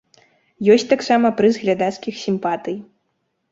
Ёсць таксама прыз глядацкіх сімпатый.